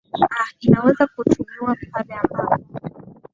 a inaweza kutumiwa pale ambapo